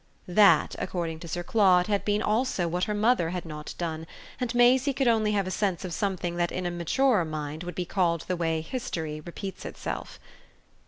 That, according to Sir Claude, had been also what her mother had not done, and Maisie could only have a sense of something that in a maturer mind would be called the way history repeats itself.